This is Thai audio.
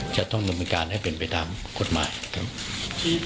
จะต้องดำเนินการให้เป็นไปตามกฎหมายครับ